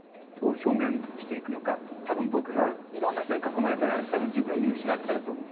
たぶん僕がいろんな人に囲まれたらたぶん自分見失っちゃうと思う。